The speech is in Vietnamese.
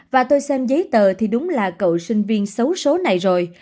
và tôi xem giấy tờ thì đúng là cậu sinh viên xấu số này rồi